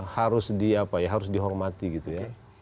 harus di apa ya harus dihormati gitu ya